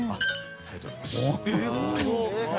ありがとうございます。